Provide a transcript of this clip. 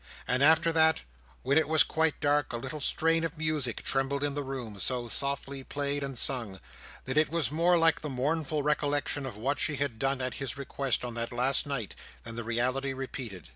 And after that, and when it was quite dark, a little strain of music trembled in the room: so softly played and sung, that it was more like the mournful recollection of what she had done at his request on that last night, than the reality repeated.